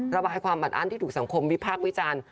ระบายความอัดอั้นที่ถูกสังคมวิพากษ์วิจารณ์